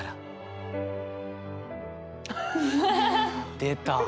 出た。